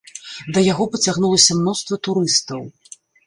Да яго пацягнулася мноства турыстаў.